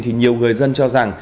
thì nhiều người dân cho rằng